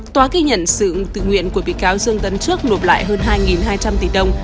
tòa ghi nhận sự tự nguyện của bị cáo dương tấn trước nộp lại hơn hai hai trăm linh tỷ đồng